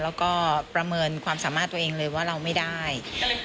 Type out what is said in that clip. แล้วก็ประเมินความสามารถตัวเองเลยว่าเราไม่ได้